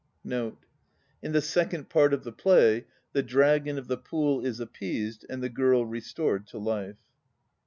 [In the second part of the play the dragon of the Pool is appeased and the girl restored to life.